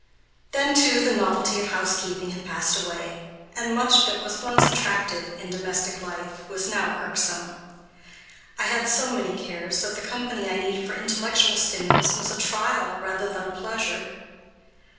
Then, too, the novelty of housekeeping had passed away, and much that was once attractive in domestic life was now irksome. I had so many cares that the company I needed for intellectual stimulus was a trial rather than a pleasure.